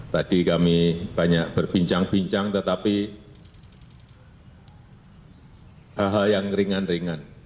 tadi kami banyak berbincang bincang tetapi hal hal yang ringan ringan